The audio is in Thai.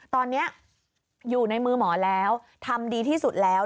ตอนนี้อยู่ในมือหมอแล้วทำดีที่สุดแล้ว